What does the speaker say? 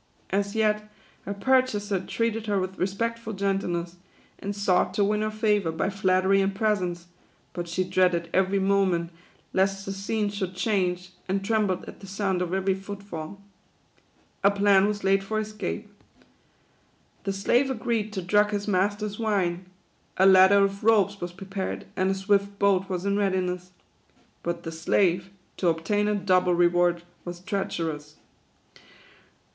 As yet, her pur chaser treated her with respectful gentleness, and sought to win her favour, by flattery and presents ; but she dreaded every moment, lest the scene should change, and trembled at the sound of every footfall. A plan was laid for escape. The slave agreed to THE QUADROONS. 7 5 drug his master's wine ; a ladder of ropes was pre pared, and a swift boat was in readiness. But the slave, to obtain a double reward, was treacherous.